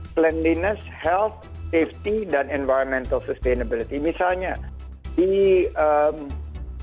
cleanliness health safety dan environmental sustainability misalnya di waduk gedung ombo yang ada di kabupaten boyolali